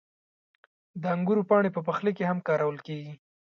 • د انګورو پاڼې په پخلي کې هم کارول کېږي.